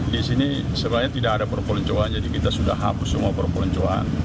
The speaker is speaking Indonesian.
di sini sebenarnya tidak ada perpeloncoan jadi kita sudah hapus semua perpeloncoan